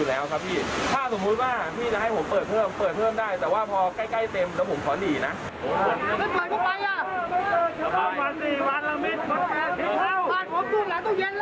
แล้วผมขอหนีนะ